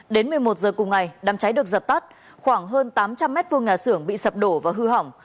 đến một mươi một giờ cùng ngày đám cháy được dập tắt khoảng hơn tám trăm linh m hai nhà xưởng bị sập đổ và hư hỏng